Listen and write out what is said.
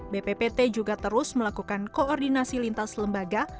bppt juga terus melakukan koordinasi lintas lembaga